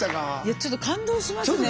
ちょっと感動したね。